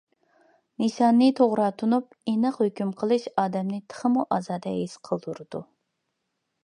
نىشاننى توغرا تونۇپ، ئېنىق ھۆكۈم قىلىش ئادەمنى تېخىمۇ ئازادە ھېس قىلدۇرىدۇ.